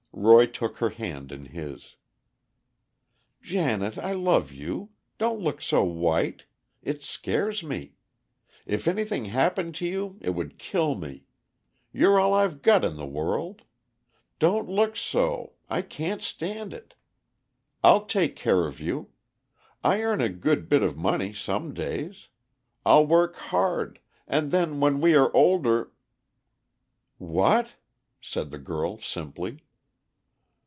Roy took her hand in his. "Janet, I love you! Don't look so white! It scares me. If anything happened to you it would kill me. You're all I've got in the world. Don't look so—I can't stand it. I'll take care of you. I earn a good bit of money some days. I'll work hard, and then when we are older——" "What?" said the girl simply.